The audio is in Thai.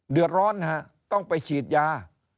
เดือดร้อนฮะต้องไปฉีดยา